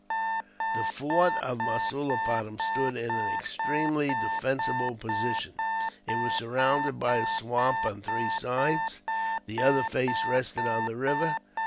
The fort of Masulipatam stood in an extremely defensible position. It was surrounded by a swamp, on three sides. The other face rested on the river.